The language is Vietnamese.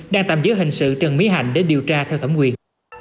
đang tạm giữ hình sự trần mỹ hạnh để điều tra theo thẩm quyền